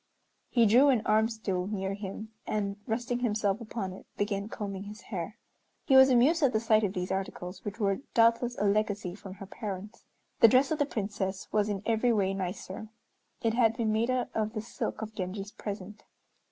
He drew an "arm stool" near him, and resting himself upon it began combing his hair. He was amused at the sight of these articles, which were doubtless a legacy from her parents. The dress of the Princess was in every way nicer. It had been made out of the silk of Genji's present.